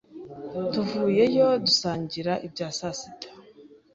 tuvuyeyo dusangira ibya saa sita,